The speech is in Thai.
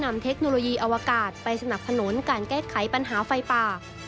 เทคโนโลยีอวกาศไปสนับสนุนการแก้ไขปัญหาไฟป่า